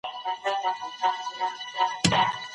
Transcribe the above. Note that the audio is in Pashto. ليکوال بايد د ټولني د عقل خميره پخه کړي.